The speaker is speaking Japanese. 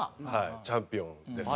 チャンピオンですし。